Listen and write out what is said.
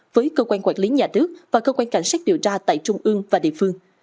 với cơ quan quản lý nhà nước và cơ quan cảnh sát điều tra tại trung ương và địa phương